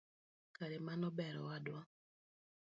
Kare mano ber awadwa.